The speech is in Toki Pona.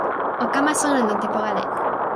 o kama sona lon tenpo ale.